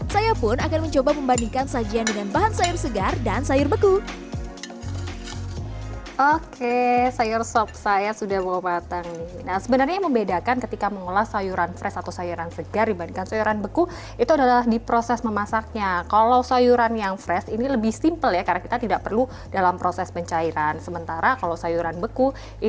saya pun akan mencoba membandingkan sajian dengan bahan sayur segar dan sayur beku